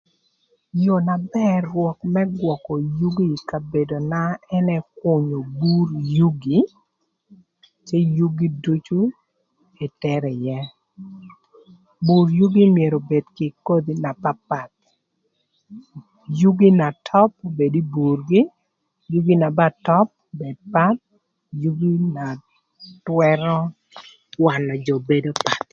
Yoo na bër rwök më gwökö yugi ï kabedona ënë künyö bur yugi cë yugi ducu etero ïë. Bur yugi myero obed kï kodhi na papath yugi na töp obed ï burgï yugi na ba töp obed path yugi na twërö wanö jö bedo path.